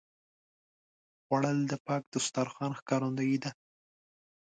خوړل د پاک دسترخوان ښکارندویي ده